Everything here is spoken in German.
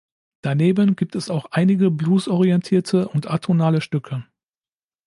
Daneben gibt es auch einige blues-orientierte und atonale Stücke.